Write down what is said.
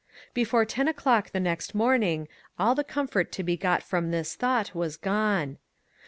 Before ten o'clock the next morning all the comfort to be got from this thought was gone.